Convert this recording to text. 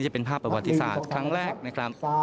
จะเป็นภาพประวัติศาสตร์ครั้งแรกนะครับ